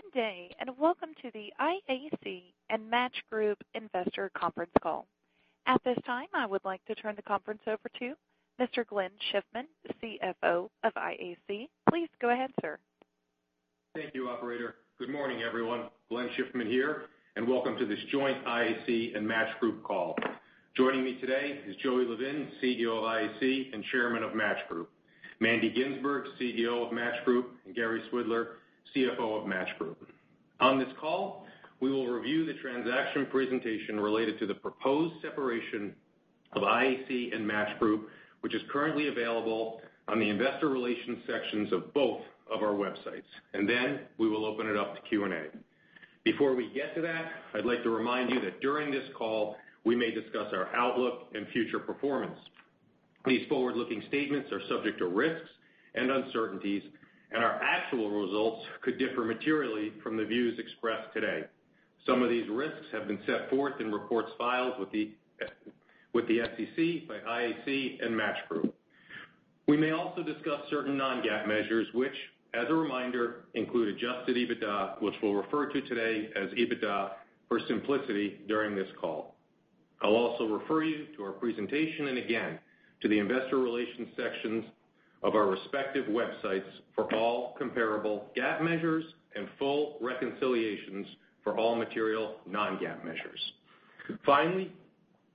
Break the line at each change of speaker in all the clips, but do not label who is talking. Good day, and welcome to the IAC and Match Group investor conference call. At this time, I would like to turn the conference over to Mr. Glenn Schiffman, CFO of IAC. Please go ahead, sir.
Thank you, operator. Good morning, everyone. Glenn Schiffman here. Welcome to this joint IAC and Match Group call. Joining me today is Joey Levin, CEO of IAC and Chairman of Match Group, Mandy Ginsberg, CEO of Match Group, and Gary Swidler, CFO of Match Group. On this call, we will review the transaction presentation related to the proposed separation of IAC and Match Group, which is currently available on the investor relations sections of both of our websites. We will open it up to Q&A. Before we get to that, I'd like to remind you that during this call, we may discuss our outlook and future performance. These forward-looking statements are subject to risks and uncertainties, and our actual results could differ materially from the views expressed today. Some of these risks have been set forth in reports filed with the SEC, by IAC, and Match Group. We may also discuss certain non-GAAP measures, which, as a reminder, include adjusted EBITDA, which we'll refer to today as EBITDA for simplicity during this call. I'll also refer you to our presentation, and again, to the investor relations sections of our respective websites for all comparable GAAP measures and full reconciliations for all material non-GAAP measures. Finally,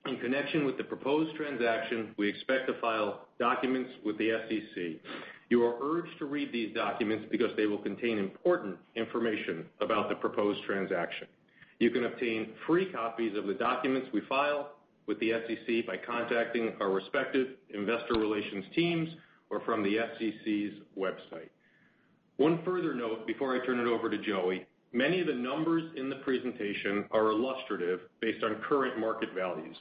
in connection with the proposed transaction, we expect to file documents with the SEC. You are urged to read these documents because they will contain important information about the proposed transaction. You can obtain free copies of the documents we file with the SEC by contacting our respective investor relations teams or from the SEC's website. One further note before I turn it over to Joey. Many of the numbers in the presentation are illustrative based on current market values,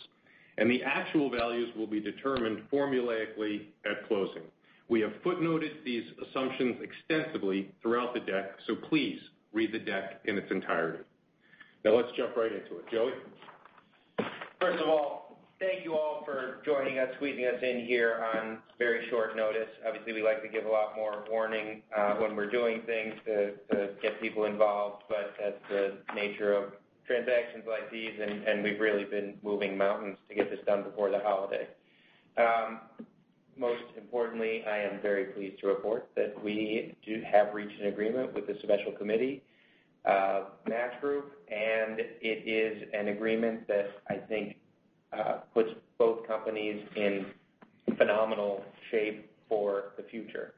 and the actual values will be determined formulaically at closing. We have footnoted these assumptions extensively throughout the deck, so please read the deck in its entirety. Now let's jump right into it. Joey?
First of all, thank you all for joining us, squeezing us in here on very short notice. Obviously, we like to give a lot more warning, when we're doing things to get people involved. That's the nature of transactions like these, and we've really been moving mountains to get this done before the holiday. Most importantly, I am very pleased to report that we do have reached an agreement with the special committee, Match Group, and it is an agreement that I think, puts both companies in phenomenal shape for the future.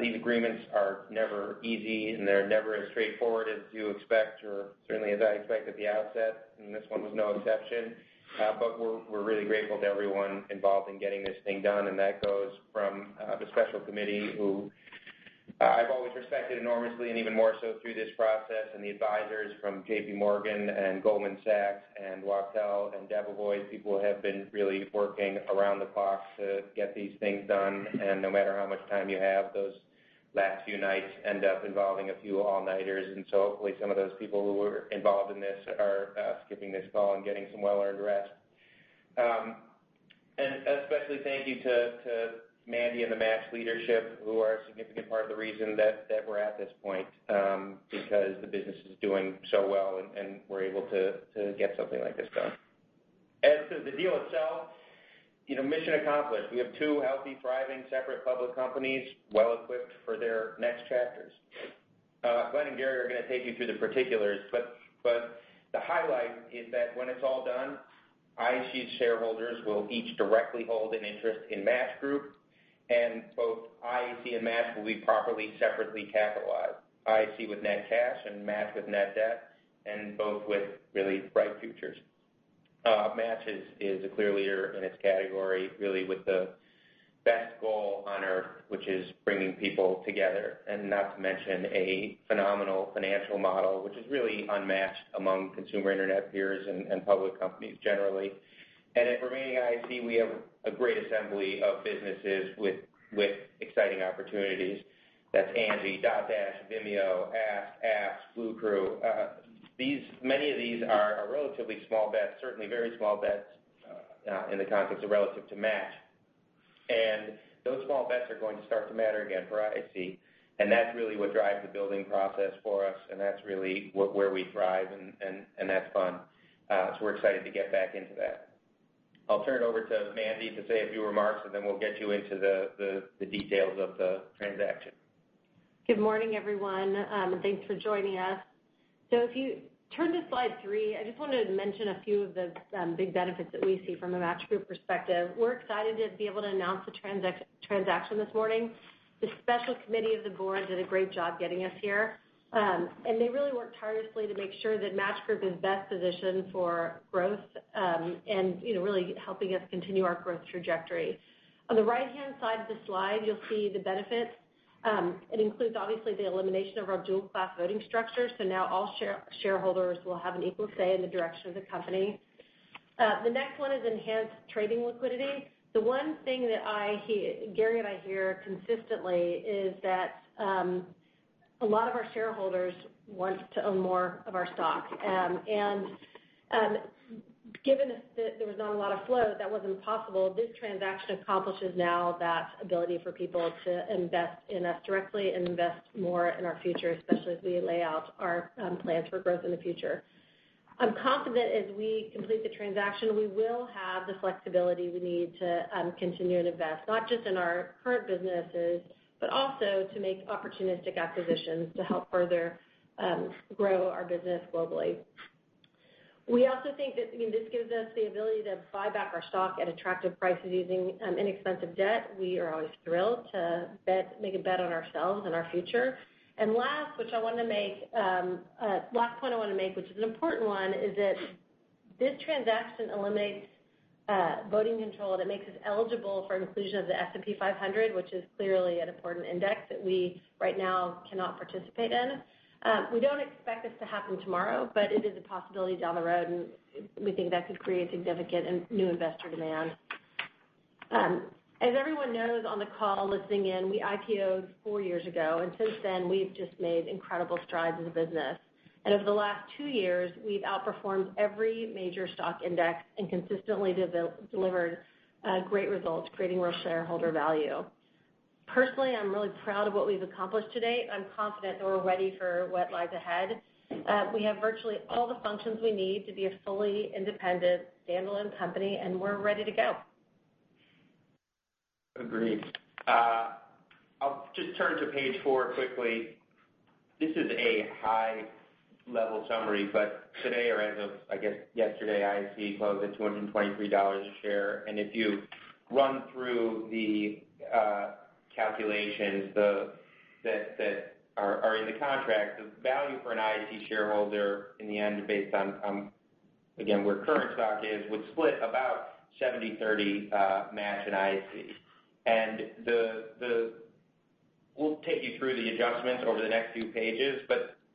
These agreements are never easy, and they're never as straightforward as you expect or certainly as I expect at the outset, and this one was no exception. We're really grateful to everyone involved in getting this thing done, and that goes from the special committee who I've always respected enormously and even more so through this process. The advisors from JPMorgan and Goldman Sachs and Wachtell and Debevoise, people who have been really working around the clock to get these things done. No matter how much time you have, those last few nights end up involving a few all-nighters. Hopefully, some of those people who were involved in this are skipping this call and getting some well-earned rest. A special thank you to Mandy and the Match leadership, who are a significant part of the reason that we're at this point, because the business is doing so well, and we're able to get something like this done. As to the deal itself, mission accomplished. We have two healthy, thriving, separate public companies, well-equipped for their next chapters. Glenn and Gary are going to take you through the particulars, but the highlight is that when it's all done, IAC shareholders will each directly hold an interest in Match Group, and both IAC and Match will be properly, separately capitalized. IAC with net cash and Match with net debt, and both with really bright futures. Match is a clear leader in its category, really with the best goal on Earth, which is bringing people together. Not to mention a phenomenal financial model, which is really unmatched among consumer internet peers and public companies generally. At remaining IAC, we have a great assembly of businesses with exciting opportunities. That's Angi, Dotdash, Vimeo, Ask, Apps, Bluecrew. Many of these are relatively small bets, certainly very small bets, in the context of relative to Match. Those small bets are going to start to matter again for IAC, and that's really what drives the building process for us, and that's really where we thrive, and that's fun. We're excited to get back into that. I'll turn it over to Mandy to say a few remarks, and then we'll get you into the details of the transaction.
Good morning, everyone. Thanks for joining us. If you turn to slide three, I just wanted to mention a few of the big benefits that we see from a Match Group perspective. We're excited to be able to announce the transaction this morning. The special committee of the board did a great job getting us here. They really worked tirelessly to make sure that Match Group is best positioned for growth, and really helping us continue our growth trajectory. On the right-hand side of the slide, you'll see the benefits. It includes, obviously, the elimination of our dual-class voting structure. Now all shareholders will have an equal say in the direction of the company. The next one is enhanced trading liquidity. The one thing that Gary and I hear consistently is that a lot of our shareholders want to own more of our stock. Given that there was not a lot of flow, that was impossible. This transaction accomplishes now that ability for people to invest in us directly and invest more in our future, especially as we lay out our plans for growth in the future. I'm confident as we complete the transaction, we will have the flexibility we need to continue to invest, not just in our current businesses, but also to make opportunistic acquisitions to help further grow our business globally. We also think that this gives us the ability to buy back our stock at attractive prices using inexpensive debt. We are always thrilled to make a bet on ourselves and our future. Last point I want to make, which is an important one, is that this transaction eliminates voting control that makes us eligible for inclusion of the S&P 500, which is clearly an important index that we right now cannot participate in. We don't expect this to happen tomorrow, but it is a possibility down the road, and we think that could create significant and new investor demand. As everyone knows on the call listening in, we IPO'd four years ago, since then, we've just made incredible strides as a business. Over the last two years, we've outperformed every major stock index and consistently delivered great results, creating more shareholder value. Personally, I'm really proud of what we've accomplished to date. I'm confident that we're ready for what lies ahead. We have virtually all the functions we need to be a fully independent standalone company, and we're ready to go.
Agreed. I'll just turn to page four quickly. This is a high-level summary, today or as of, I guess, yesterday, IAC closed at $223 a share. If you run through the calculations that are in the contract, the value for an IAC shareholder in the end based on, again, where current stock is, would split about 70/30, Match and IAC. We'll take you through the adjustments over the next few pages,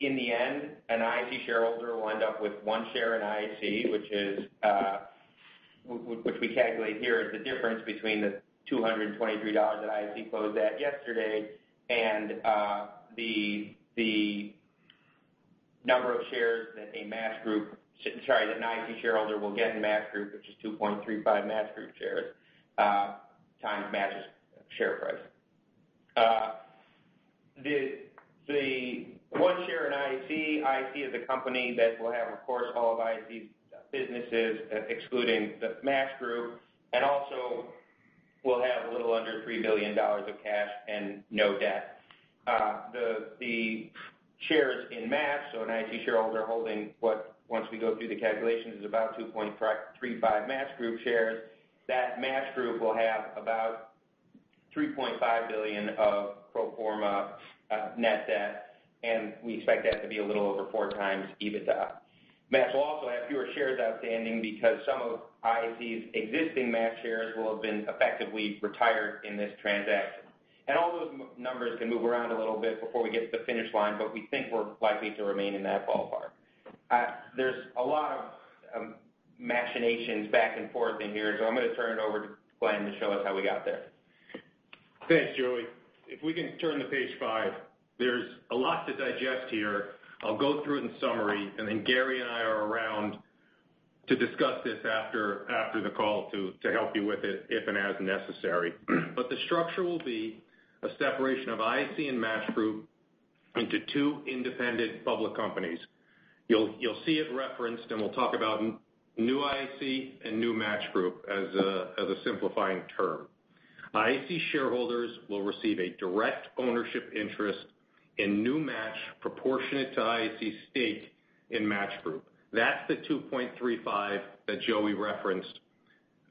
in the end, an IAC shareholder will end up with one share in IAC, which we calculate here is the difference between the $223 that IAC closed at yesterday and the number of shares that an IAC shareholder will get in Match Group, which is 2.35 Match Group shares times Match's share price. The one share in IAC is a company that will have, of course, all of IAC's businesses excluding the Match Group, and also will have a little under $3 billion of cash and no debt. The shares in Match, an IAC shareholder holding what, once we go through the calculations, is about 2.35 Match Group shares. That Match Group will have about $3.5 billion of pro forma net debt, we expect that to be a little over four times EBITDA. Match will also have fewer shares outstanding because some of IAC's existing Match shares will have been effectively retired in this transaction. All those numbers can move around a little bit before we get to the finish line, we think we're likely to remain in that ballpark. There's a lot of machinations back and forth in here, so I'm going to turn it over to Glenn to show us how we got there.
Thanks, Joey. If we can turn to page five, there's a lot to digest here. I'll go through it in summary, and then Gary and I are around to discuss this after the call to help you with it if and as necessary. The structure will be a separation of IAC and Match Group into two independent public companies. You'll see it referenced, and we'll talk about New IAC and New Match Group as a simplifying term. IAC shareholders will receive a direct ownership interest in New Match proportionate to IAC's stake in Match Group. That's the 2.35 that Joey referenced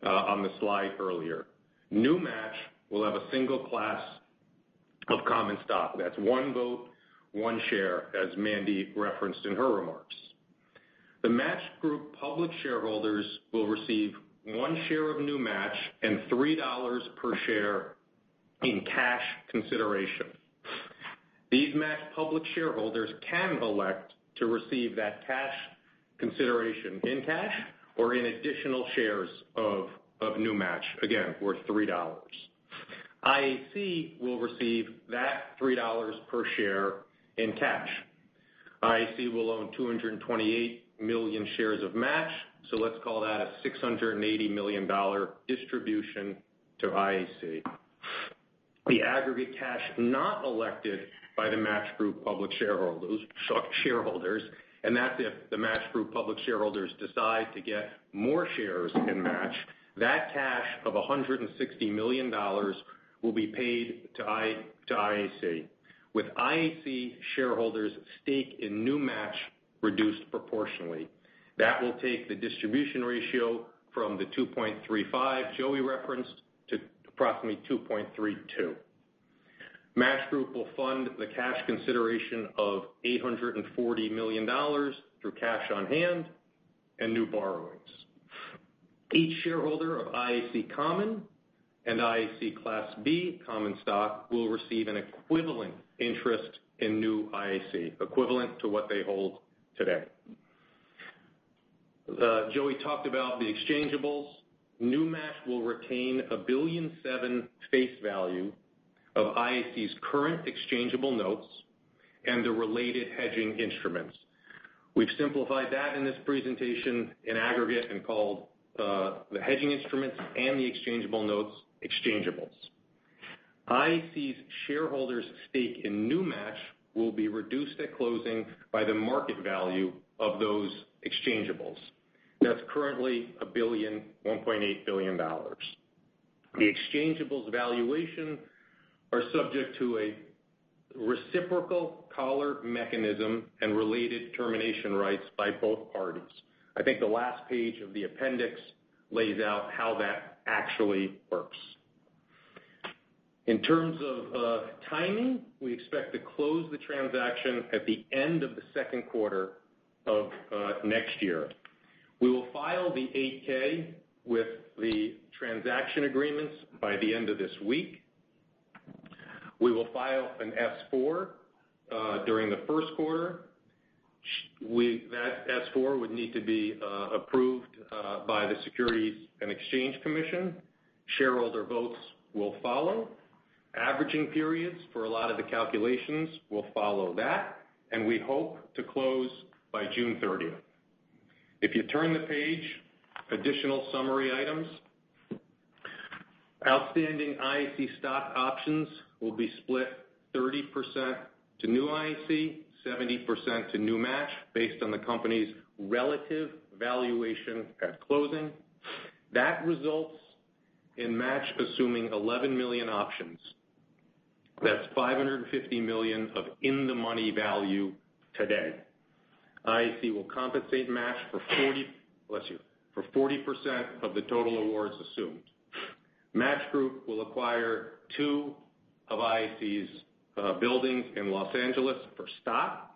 on the slide earlier. New Match will have a single class of common stock. That's one vote, one share, as Mandy referenced in her remarks. The Match Group public shareholders will receive one share of New Match and $3 per share in cash consideration. These Match public shareholders can elect to receive that cash consideration in cash or in additional shares of New Match, again, worth $3. IAC will receive that $3 per share in cash. IAC will own 228 million shares of Match, let's call that a $680 million distribution to IAC. The aggregate cash not elected by the Match Group public shareholders, that's if the Match Group public shareholders decide to get more shares in Match. That cash of $160 million will be paid to IAC. With IAC shareholders' stake in New Match reduced proportionally. That will take the distribution ratio from the 2.35 Joey referenced to approximately 2.32. Match Group will fund the cash consideration of $840 million through cash on hand and new borrowings. Each shareholder of IAC common and IAC class B common stock will receive an equivalent interest in New IAC, equivalent to what they hold today. Joey talked about the exchangeables. New Match will retain a $1.7 billion face value of IAC's current exchangeable notes and the related hedging instruments. We've simplified that in this presentation in aggregate and called the hedging instruments and the exchangeable notes exchangeables. IAC's shareholders' stake in New Match will be reduced at closing by the market value of those exchangeables. That's currently $1.8 billion. The exchangeables valuation are subject to a reciprocal collar mechanism and related termination rights by both parties. I think the last page of the appendix lays out how that actually works. In terms of timing, we expect to close the transaction at the end of the second quarter of next year. We will file the 8-K with the transaction agreements by the end of this week. We will file an S-4 during the first quarter. That S-4 would need to be approved by the Securities and Exchange Commission. Shareholder votes will follow. Averaging periods for a lot of the calculations will follow that, and we hope to close by June 30th. If you turn the page, additional summary items. Outstanding IAC stock options will be split 30% to New IAC, 70% to New Match based on the company's relative valuation at closing. That results in Match assuming 11 million options. That's $550 million of in-the-money value today. IAC will compensate Match for 40% of the total awards assumed. Match Group will acquire two of IAC's buildings in Los Angeles for stock.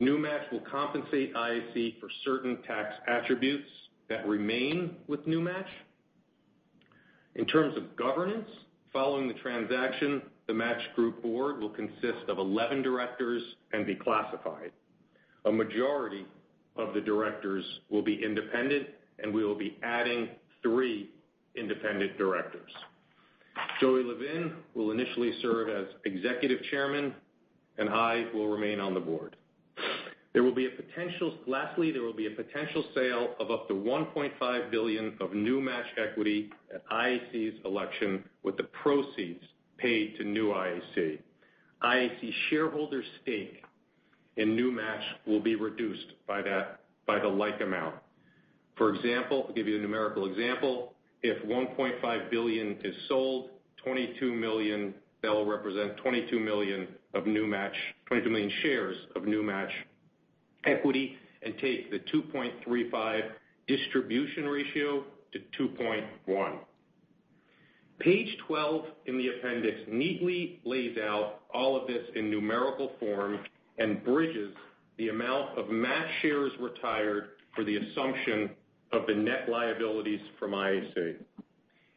New Match will compensate IAC for certain tax attributes that remain with New Match. In terms of governance, following the transaction, the Match Group board will consist of 11 directors and be classified. A majority of the directors will be independent and we will be adding three independent directors. Joey Levin will initially serve as executive chairman, and I will remain on the board. Lastly, there will be a potential sale of up to $1.5 billion of New Match equity at IAC's election, with the proceeds paid to New IAC. IAC shareholders' stake in New Match will be reduced by the like amount. For example, I'll give you a numerical example. If $1.5 billion is sold, that will represent 22 million shares of New Match equity and take the 2.35 distribution ratio to 2.1. Page 12 in the appendix neatly lays out all of this in numerical form and bridges the amount of Match shares retired for the assumption of the net liabilities from IAC.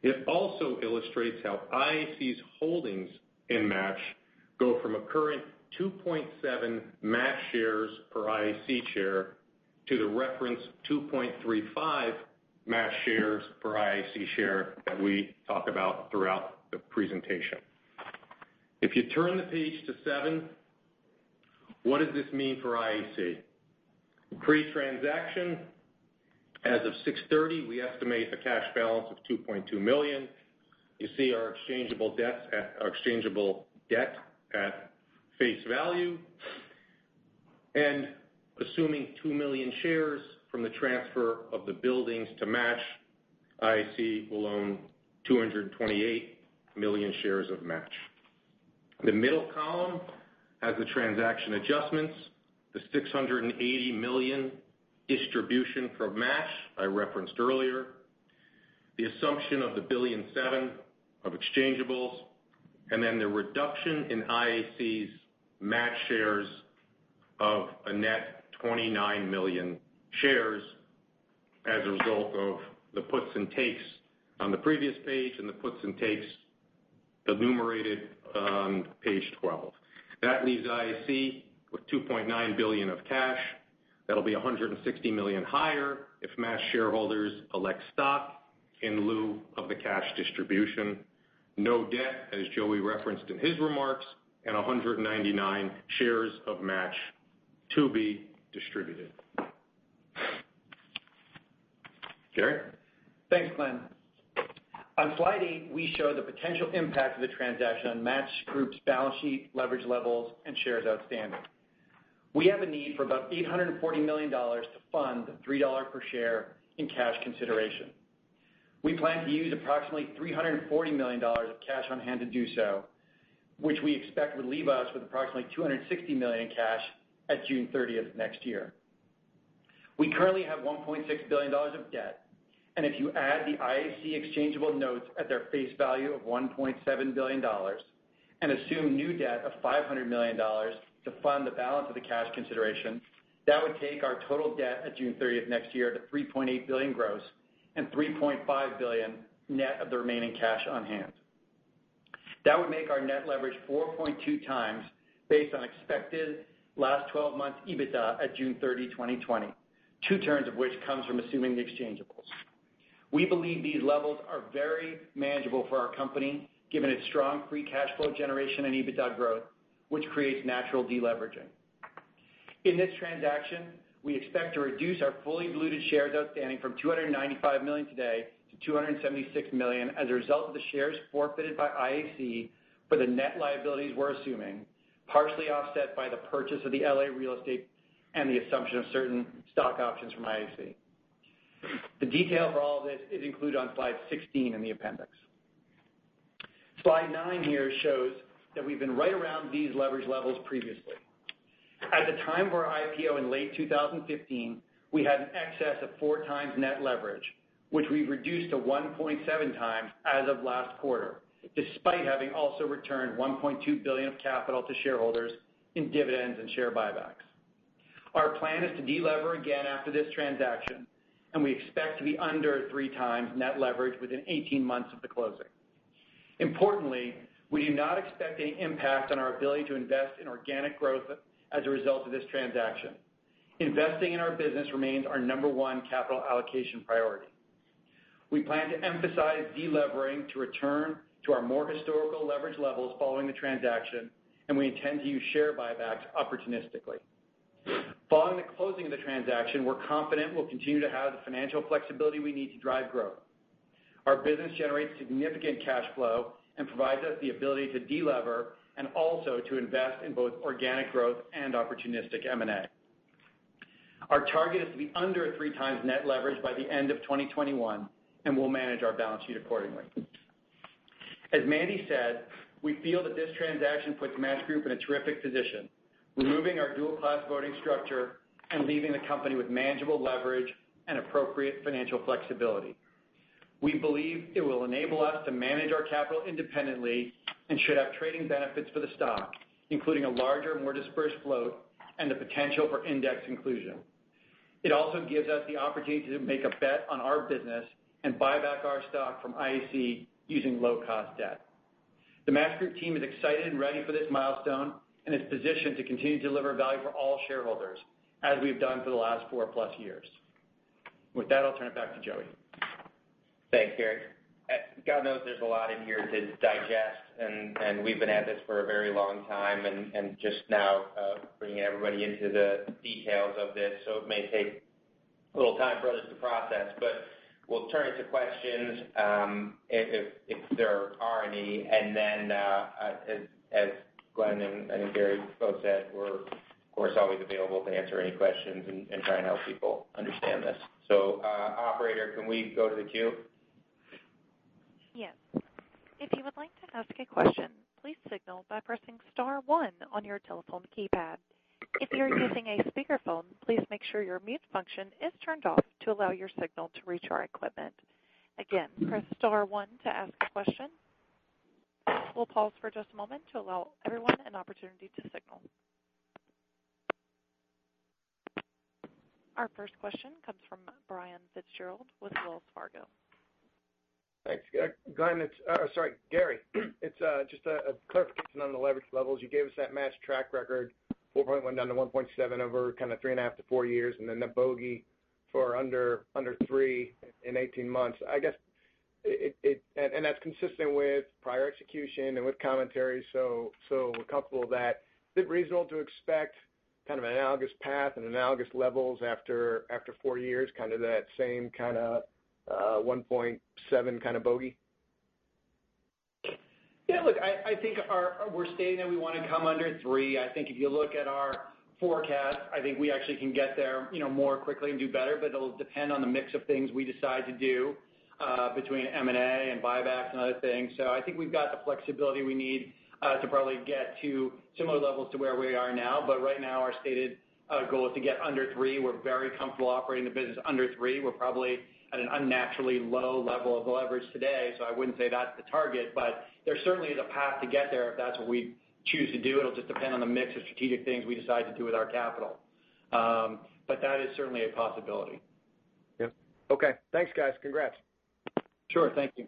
It also illustrates how IAC's holdings in Match go from a current 2.7 Match shares per IAC share to the referenced 2.35 Match shares per IAC share that we talk about throughout the presentation. If you turn the page to seven, what does this mean for IAC? Pre-transaction, as of six thirty, we estimate a cash balance of $2.2 million. You see our exchangeable debt at face value. Assuming two million shares from the transfer of the buildings to Match, IAC will own 228 million shares of Match. The middle column has the transaction adjustments, the $680 million distribution from Match I referenced earlier, the assumption of the $1.7 billion of exchangeables, then the reduction in IAC's Match shares of a net 29 million shares as a result of the puts and takes on the previous page and the puts and takes enumerated on page 12. That leaves IAC with $2.9 billion of cash. That'll be $160 million higher if Match shareholders elect stock in lieu of the cash distribution. No debt, as Joey referenced in his remarks, 199 shares of Match to be distributed. Gary?
Thanks, Glenn. On slide eight, we show the potential impact of the transaction on Match Group's balance sheet leverage levels and shares outstanding. We have a need for about $840 million to fund the $3 per share in cash consideration. We plan to use approximately $340 million of cash on hand to do so, which we expect would leave us with approximately $260 million in cash at June 30th next year. We currently have $1.6 billion of debt, and if you add the IAC exchangeable notes at their face value of $1.7 billion and assume new debt of $500 million to fund the balance of the cash consideration, that would take our total debt at June 30th next year to $3.8 billion gross and $3.5 billion net of the remaining cash on hand. That would make our net leverage 4.2 times based on expected last 12 months EBITDA at June 30, 2020, two turns of which comes from assuming the exchangeables. We believe these levels are very manageable for our company, given its strong free cash flow generation and EBITDA growth, which creates natural deleveraging. In this transaction, we expect to reduce our fully diluted shares outstanding from 295 million today to 276 million as a result of the shares forfeited by IAC for the net liabilities we're assuming, partially offset by the purchase of the L.A. real estate and the assumption of certain stock options from IAC. The detail for all of this is included on slide 16 in the appendix. Slide nine here shows that we've been right around these leverage levels previously. At the time of our IPO in late 2015, we had an excess of four times net leverage, which we've reduced to 1.7 times as of last quarter, despite having also returned $1.2 billion of capital to shareholders in dividends and share buybacks. Our plan is to de-lever again after this transaction, and we expect to be under three times net leverage within 18 months of the closing. Importantly, we do not expect any impact on our ability to invest in organic growth as a result of this transaction. Investing in our business remains our number one capital allocation priority. We plan to emphasize de-levering to return to our more historical leverage levels following the transaction, and we intend to use share buybacks opportunistically. Following the closing of the transaction, we're confident we'll continue to have the financial flexibility we need to drive growth. Our business generates significant cash flow and provides us the ability to de-lever and also to invest in both organic growth and opportunistic M&A. Our target is to be under three times net leverage by the end of 2021, and we'll manage our balance sheet accordingly. As Mandy said, we feel that this transaction puts Match Group in a terrific position, removing our dual-class voting structure and leaving the company with manageable leverage and appropriate financial flexibility. We believe it will enable us to manage our capital independently and should have trading benefits for the stock, including a larger, more dispersed float and the potential for index inclusion. It also gives us the opportunity to make a bet on our business and buy back our stock from IAC using low-cost debt. The Match Group team is excited and ready for this milestone and is positioned to continue to deliver value for all shareholders, as we've done for the last four-plus years. With that, I'll turn it back to Joey.
Thanks, Gary. God knows there's a lot in here to digest, and we've been at this for a very long time and just now bringing everybody into the details of this, so it may take a little time for others to process. We'll turn to questions if there are any. As Glenn and I think Gary both said, we're of course always available to answer any questions and try and help people understand this. Operator, can we go to the queue?
Yes. If you would like to ask a question, please signal by pressing star one on your telephone keypad. If you're using a speakerphone, please make sure your mute function is turned off to allow your signal to reach our equipment. Again, press star one to ask a question. We'll pause for just a moment to allow everyone an opportunity to signal. Our first question comes from Brian Fitzgerald with Wells Fargo.
Thanks. Gary, just a clarification on the leverage levels. You gave us that Match track record, 4.1 down to 1.7 over kind of three and a half to four years, and then the bogey for under three in 18 months. That's consistent with prior execution and with commentary, so we're comfortable with that. Is it reasonable to expect kind of analogous path and analogous levels after four years, kind of that same 1.7 kind of bogey?
Yeah, look, I think we're stating that we want to come under 3. I think if you look at our forecast, I think we actually can get there more quickly and do better, but it'll depend on the mix of things we decide to do between M&A and buybacks and other things. I think we've got the flexibility we need to probably get to similar levels to where we are now. Right now, our stated goal is to get under 3. We're very comfortable operating the business under 3. We're probably at an unnaturally low level of leverage today, so I wouldn't say that's the target. There certainly is a path to get there if that's what we choose to do. It'll just depend on the mix of strategic things we decide to do with our capital. That is certainly a possibility.
Yep. Okay. Thanks, guys. Congrats.
Sure. Thank you.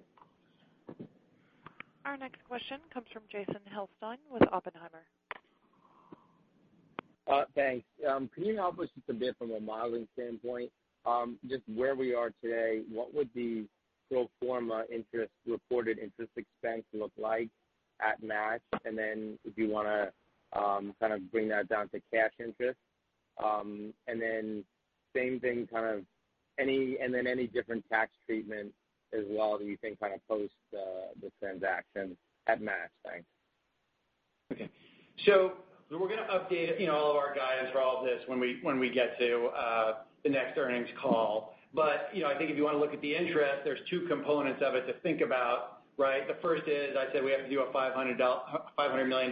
Our next question comes from Jason Helfstein with Oppenheimer.
Thanks. Can you help us just a bit from a modeling standpoint? Just where we are today, what would the pro forma interest reported interest expense look like at Match, and if you want to kind of bring that down to cash interest? Same thing, any different tax treatment as well that you think post the transaction at Match? Thanks.
Okay. We're going to update all of our guidance for all of this when we get to the next earnings call. I think if you want to look at the interest, there's two components of it to think about, right? The first is I said we have to do a $500 million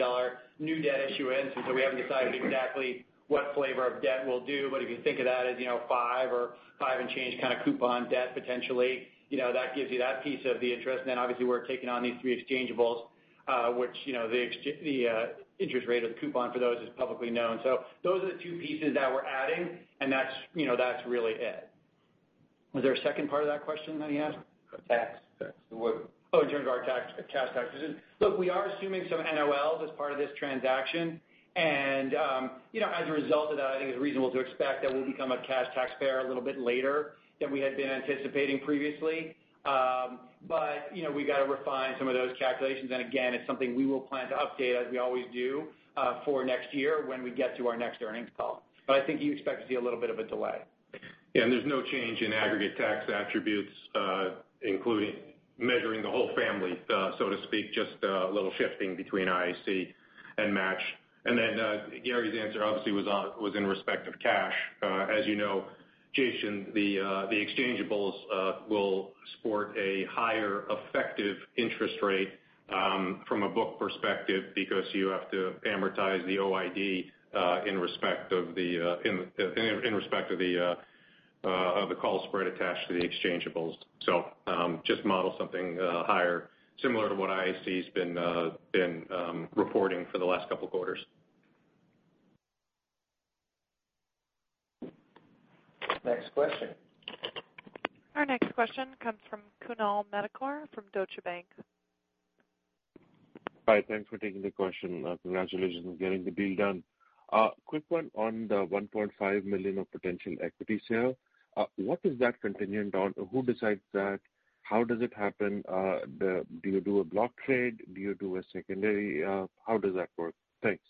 new debt issuance. We haven't decided exactly what flavor of debt we'll do. If you think of that as five or five and change kind of coupon debt, potentially, that gives you that piece of the interest. Then obviously, we're taking on these three exchangeables, which the interest rate or the coupon for those is publicly known. Those are the two pieces that we're adding, and that's really it.
Was there a second part of that question that he asked?
Tax. In terms of our tax, cash taxes. Look, we are assuming some NOLs as part of this transaction, and as a result of that, I think it's reasonable to expect that we'll become a cash taxpayer a little bit later than we had been anticipating previously. We've got to refine some of those calculations and again, it's something we will plan to update, as we always do, for next year when we get to our next earnings call. I think you expect to see a little bit of a delay.
There's no change in aggregate tax attributes, including measuring the whole family, so to speak, just a little shifting between IAC and Match. Gary's answer obviously was in respect of cash. As you know, Jason, the exchangeables will sport a higher effective interest rate from a book perspective because you have to amortize the OID in respect of the call spread attached to the exchangeables. Just model something higher, similar to what IAC has been reporting for the last couple of quarters. Next question.
Our next question comes from Kunal Madhukar from Deutsche Bank.
Hi. Thanks for taking the question. Congratulations on getting the deal done. A quick one on the $1.5 million of potential equity sale. What is that contingent on? Who decides that? How does it happen? Do you do a block trade? Do you do a secondary? How does that work? Thanks.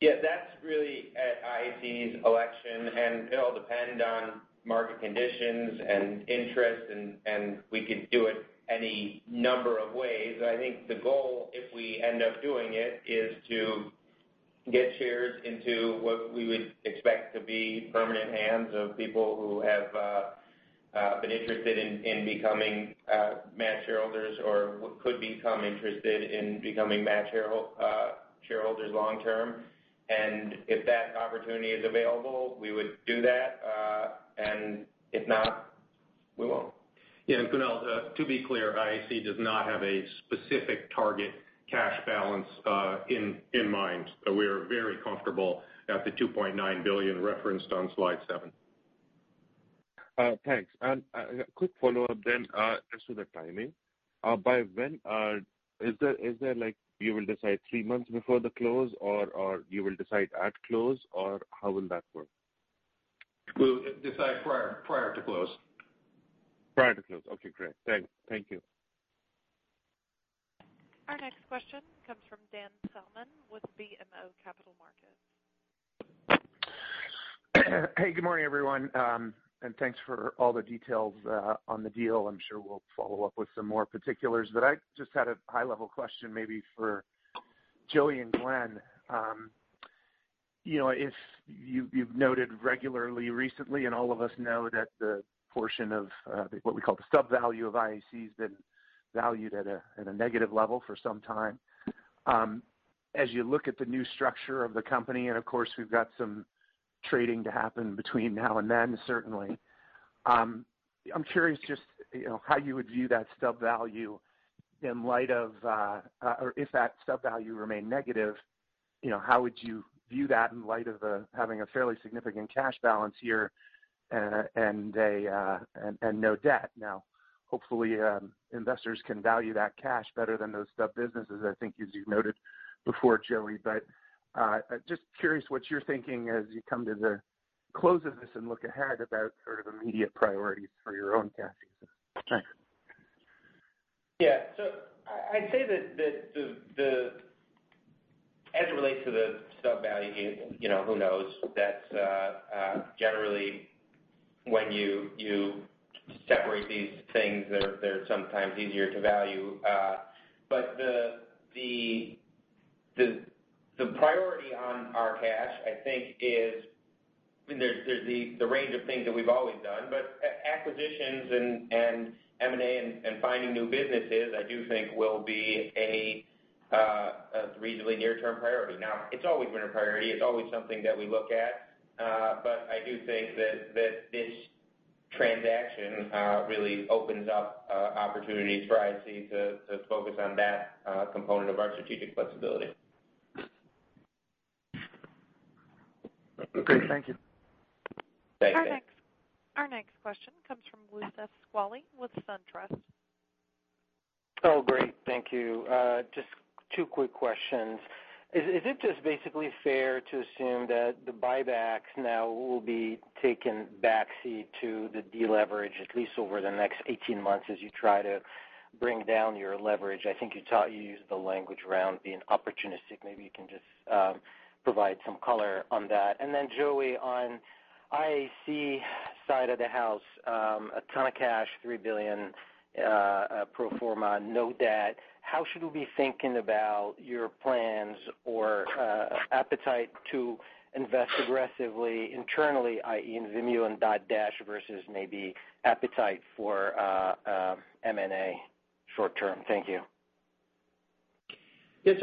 Yeah, that's really at IAC's election, and it'll depend on market conditions and interest, and we could do it any number of ways. I think the goal, if we end up doing it, is to get shares into what we would expect to be permanent hands of people who have been interested in becoming Match shareholders or could become interested in becoming Match shareholders long term. If that opportunity is available, we would do that. If not, we won't.
Yeah, Kunal, to be clear, IAC does not have a specific target cash balance in mind. We are very comfortable at the $2.9 billion referenced on slide seven.
Thanks. A quick follow-up then just for the timing. Is there like you will decide three months before the close or you will decide at close or how will that work?
We'll decide prior to close.
Prior to close. Okay, great. Thank you.
Our next question comes from Dan Salmon with BMO Capital Markets.
Hey, good morning, everyone, thanks for all the details on the deal. I'm sure we'll follow up with some more particulars, but I just had a high-level question maybe for Joey and Glenn. You've noted regularly recently, and all of us know that the portion of what we call the subvalue of IAC has been valued at a negative level for some time. As you look at the new structure of the company, and of course, we've got some trading to happen between now and then certainly. I'm curious just how you would view that subvalue, or if that subvalue remained negative, how would you view that in light of having a fairly significant cash balance here and no debt? Hopefully, investors can value that cash better than those subbusinesses, I think as you've noted before, Joey. Just curious what you're thinking as you come to the close of this and look ahead about sort of immediate priorities for your own cash. Thanks.
Yeah. I'd say that as it relates to the subvalue, who knows? That's generally when you separate these things, they're sometimes easier to value. The priority on our cash, I think there's the range of things that we've always done, but acquisitions and M&A and finding new businesses, I do think will be a reasonably near-term priority. Now, it's always been a priority. It's always something that we look at. I do think that this transaction really opens up opportunities for IAC to focus on that component of our strategic flexibility.
Okay, thank you.
Thanks.
Our next question comes from Youssef Squali with SunTrust.
Great. Thank you. Just two quick questions. Is it just basically fair to assume that the buybacks now will be taking backseat to the deleverage, at least over the next 18 months as you try to bring down your leverage? I think you used the language around being opportunistic. Maybe you can just provide some color on that. Joey, on IAC side of the house, a ton of cash, $3 billion pro forma, no debt. How should we be thinking about your plans or appetite to invest aggressively internally, i.e., in Vimeo and Dotdash versus maybe appetite for M&A short term? Thank you.
Yes,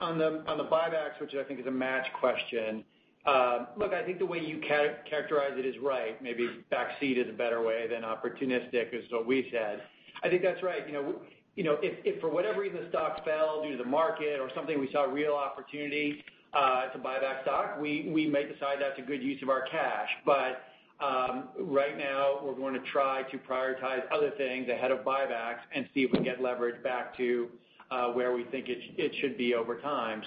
on the buybacks, which I think is a Match question. Look, I think the way you characterized it is right. Maybe backseat is a better way than opportunistic is what we said. I think that's right. If for whatever reason the stock fell due to the market or something, we saw a real opportunity to buy back stock, we may decide that's a good use of our cash. Right now we're going to try to prioritize other things ahead of buybacks and see if we can get leverage back to where we think it should be over time.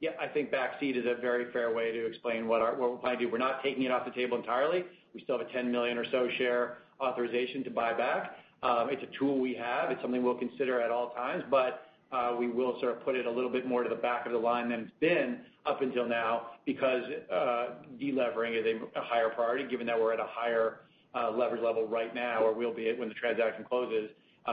Yeah, I think backseat is a very fair way to explain what we'll probably do. We're not taking it off the table entirely. We still have a 10 million or so share authorization to buy back. It's a tool we have. It's something we'll consider at all times, but we will sort of put it a little bit more to the back of the line than it's been up until now, because de-levering is a higher priority given that we're at a higher leverage level right now, or we'll be at when the transaction closes,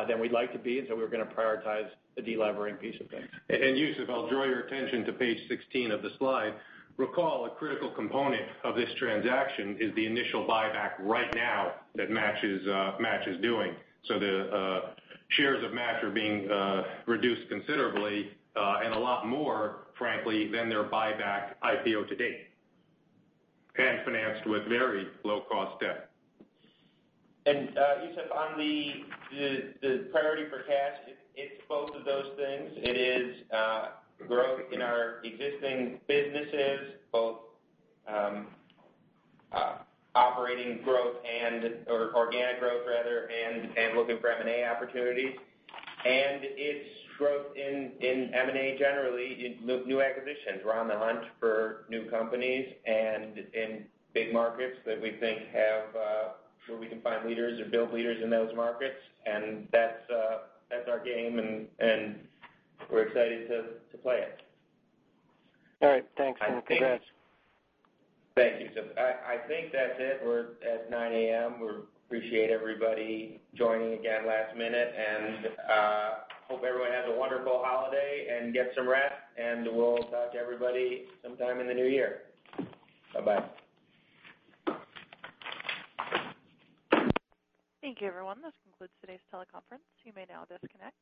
than we'd like to be. We're going to prioritize the de-levering piece of things.
Youssef, I'll draw your attention to page 16 of the slide. Recall, a critical component of this transaction is the initial buyback right now that Match is doing. The shares of Match are being reduced considerably, and a lot more, frankly, than their buyback IPO to date, and financed with very low-cost debt.
Youssef, on the priority for cash, it's both of those things. It is growth in our existing businesses, both operating growth and/or organic growth rather, and looking for M&A opportunities. It's growth in M&A generally in new acquisitions. We're on the hunt for new companies and in big markets that we think where we can find leaders or build leaders in those markets. That's our game and we're excited to play it.
All right. Thanks and congrats.
Thank you. I think that's it. We're at 9:00 A.M. We appreciate everybody joining again last minute, and hope everyone has a wonderful holiday and get some rest, and we'll talk to everybody sometime in the new year. Bye-bye.
Thank you everyone. This concludes today's teleconference. You may now disconnect.